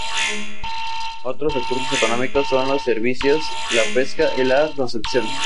Otros recursos económicos son los servicios, la pesca y la construcción.